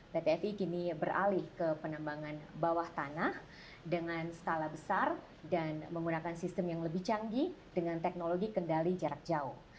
pt fi kini beralih ke penambangan bawah tanah dengan skala besar dan menggunakan sistem yang lebih canggih dengan teknologi kendali jarak jauh